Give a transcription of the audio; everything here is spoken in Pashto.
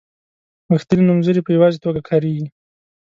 غښتلي نومځري په یوازې توګه کاریږي.